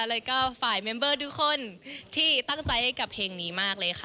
แล้วก็ฝ่ายเมมเบอร์ทุกคนที่ตั้งใจให้กับเพลงนี้มากเลยค่ะ